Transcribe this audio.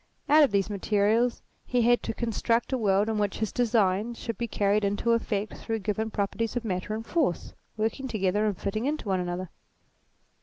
Out of these materials he had to construct a world in which his designs should be carried into effect through given properties of Matter and Force, working together and fitting into one another.